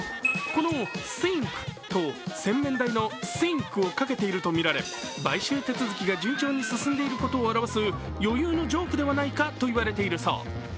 このｓｉｎｋと洗面台のｓｉｎｋをかけているとみられ買収手続きが順調に進んでいることを表す余裕のジョークではないか？と言われているそう。